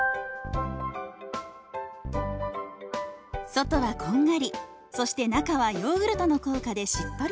外はこんがりそして中はヨーグルトの効果でしっとりです。